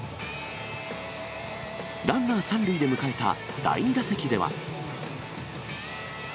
ランナー３塁で迎えた第２打席では。